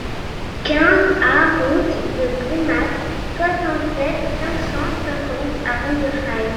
quinze A route de Brumath, soixante-sept, cinq cent cinquante à Vendenheim